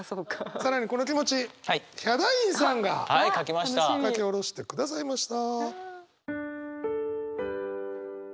更にこの気持ちヒャダインさんが書き下ろしてくださいました。